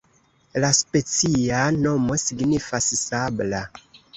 La specia nomo signifas sabla.